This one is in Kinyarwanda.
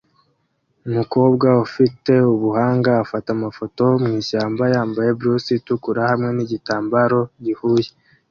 Umugore ufite ubuhanga afata amafoto mwishyamba yambaye blusi itukura hamwe nigitambara gihuye